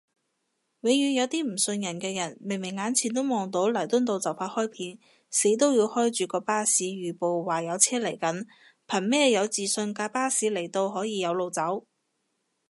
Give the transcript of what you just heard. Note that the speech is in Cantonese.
永遠有啲唔信人嘅人，明明眼前都望到彌敦道就快開片，死都要開住個巴士預報話有車嚟緊，憑咩有自信架巴士嚟到可以有路走？